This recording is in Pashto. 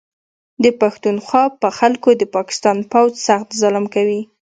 د پښتونخوا په خلکو د پاکستان پوځ سخت ظلم کوي